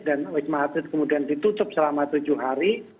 dan wisma atlet kemudian ditutup selama tujuh hari